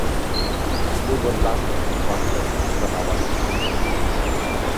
আমি বললাম, পঞ্চাশ ওয়াক্ত নামাজ।